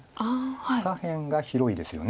下辺が広いですよね。